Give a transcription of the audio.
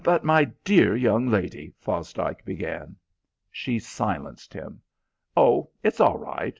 "But my dear young lady " Fosdike began. She silenced him. "Oh, it's all right.